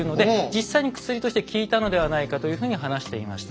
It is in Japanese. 実際に薬として効いたのではないかというふうに話していました。